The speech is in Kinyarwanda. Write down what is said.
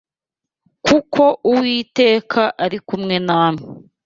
kuko Uwiteka ari kumwe namwe